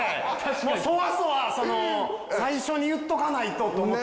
もうソワソワその最初に言っとかないとと思って。